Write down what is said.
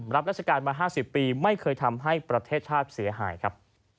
รับราชการมา๕๐ปีไม่เคยทำให้ประเทศชาติเสียหายครับ